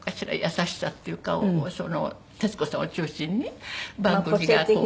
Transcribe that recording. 優しさっていうか徹子さんを中心に番組がこう。